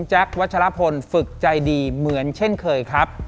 วัชลพลฝึกใจดีเหมือนเช่นเคยครับ